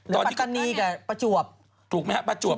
ตอนนี้ก็เป็นแบบนี้ประจวบชุมพรก็โดนถูกไหมครับประจวบ